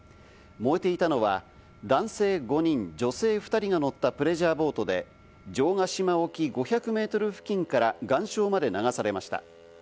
燃えていたのは男性５人、女性２人が乗ったプレジャーボートで、城ヶ島沖５００メートル付近から岩礁まで流されました。